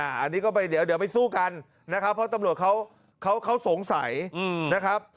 อันนี้ก็ไปเดี๋ยวไปสู้กันนะครับเพราะตำรวจเขาสงสัยนะครับ